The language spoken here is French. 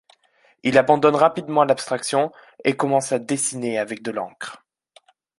Il abandonne rapidement l’abstraction, et commence à dessiner avec de l’encre.